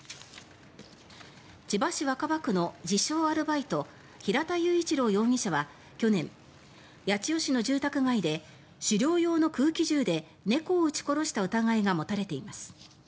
千葉市若葉区の自称・アルバイト平田雄一郎容疑者は去年八千代市の住宅街で狩猟用の空気銃で猫を撃ち殺した疑いが持たれています。